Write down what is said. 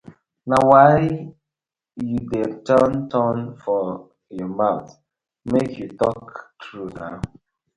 Na why yu dey turn turn for yah mouth, make yu talk true naw.